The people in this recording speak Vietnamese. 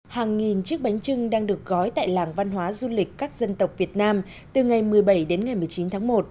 hàng nghìn chiếc bánh trưng đang được gói tại làng văn hóa du lịch các dân tộc việt nam từ ngày một mươi bảy đến ngày một mươi chín tháng một